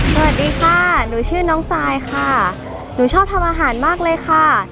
สวัสดีค่ะหนูชื่อน้องซายค่ะหนูชอบทำอาหารมากเลยค่ะ